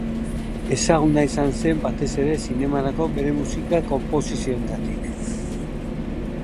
Ezaguna izan zen batez ere zinemarako bere musika-konposizioengatik.